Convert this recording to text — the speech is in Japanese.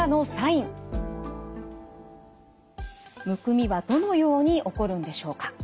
むくみはどのように起こるんでしょうか。